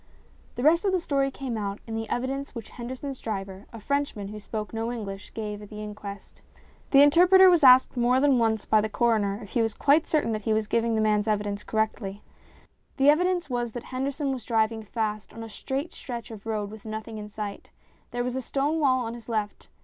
The rest of the story came out in the evidence which Henderson's driver, a Frenchman who spoke no English, gave at the inquest. The interpreter was asked more than once by the coroner if he was quite certain that he was giving the man's evidence correctly. The evidence was that Henderson was driving fast on a straight stretch of road with nothing in sight. There was a stone wall on his left.